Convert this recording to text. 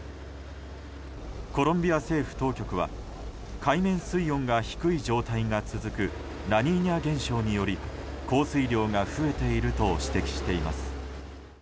コロンビア政府当局は海面水温が低い状態が続くラニーニャ現象により降水量が増えていると指摘しています。